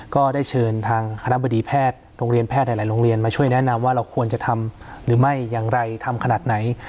ก็ได้เชิญทางคณะบดีแพทย์โรงเรียนแพทย์หลายโรงเรียนมาช่วยแนะนำว่าเราควรจะทำหรือไม่อย่างไรทำขนาดไหน